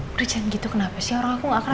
kerjaan gitu kenapa sih orang aku gak akan pernah